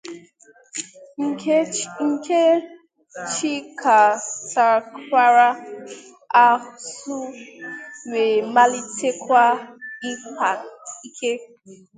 nke chighatakwara azụ wee malitekwa ịkpa ike